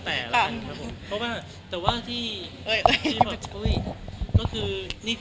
เรียกงานไปเรียบร้อยแล้ว